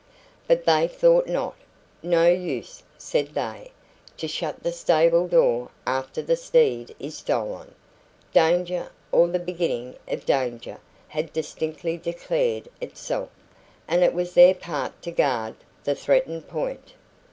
But they thought not. "No use," said they, "to shut the stable door after the steed is stolen." Danger, or the beginning of danger, had distinctly declared itself, and it was their part to guard the threatened point.